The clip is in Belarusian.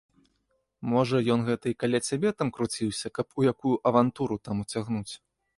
Можа, ён гэта і каля цябе там круціўся, каб у якую авантуру там уцягнуць.